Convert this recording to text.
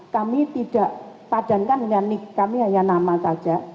kami tidak padankan dengan nik kami hanya nama saja